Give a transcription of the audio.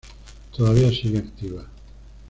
Todavía sigue activa.